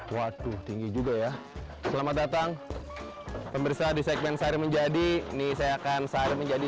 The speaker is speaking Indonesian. waduh tinggi juga ya selamat datang pemirsa di segmen sehari menjadi ini saya akan sari menjadi